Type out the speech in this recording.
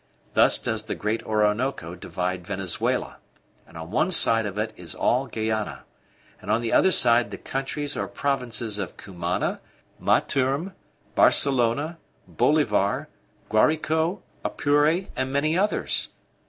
Thus does the great Orinoco divide Venezuela, and on one side of it is all Guayana; and on the other side the countries or provinces of Cumana, Maturm, Barcelona, Bolivar, Guarico, Apure, and many others."